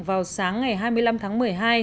vào sáng ngày hai mươi năm tháng một mươi hai